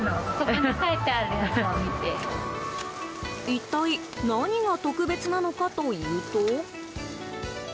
一体、何が特別なのかというと。